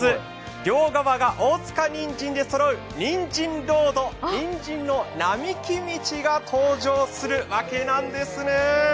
両側が大塚にんじんでそろう、にんじんロード、にんじんの並木道が登場するわけなんですね。